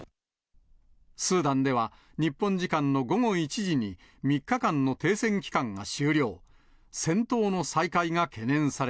スーダンでは、日本時間の午後１時に、３日間の停戦期間が終了。